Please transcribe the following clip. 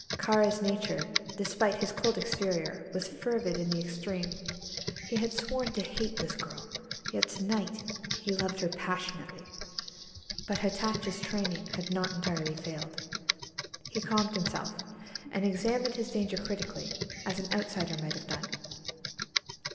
Kāra's nature, despite his cold exterior, was fervid in the extreme. He had sworn to hate this girl, yet to night he loved her passionately. But Hatatcha's training had not entirely failed. He calmed himself, and examined his danger critically, as an outsider might have done.